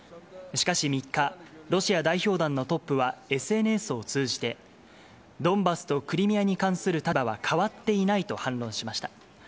しかし３日、ロシア代表団のトップはＳＮＳを通じて、ドンバスとクリミアに関する立場は変わっていないと反論しました。